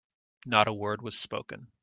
Not a word was spoken.